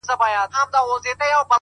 ټول بکواسیات دي;